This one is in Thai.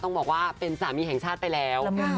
ต้องบอกว่าเป็นสามีแห่งชาติไปแล้ว